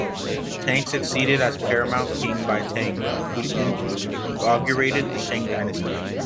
Tang succeeded as paramount King by Tang, who inaugurated the Shang dynasty.